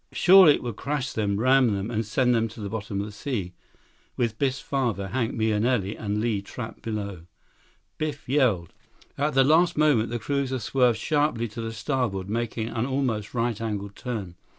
Surely it would crash them, ram them, send them to the bottom of the sea, with Biff's father, Hank Mahenili, and Li trapped below. Biff yelled. 105 At the last moment, the cruiser swerved sharply to the starboard, making an almost right angle turn.